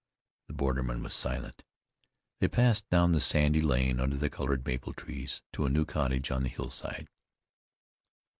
The borderman was silent. They passed down the sandy lane under the colored maple trees, to a new cottage on the hillside.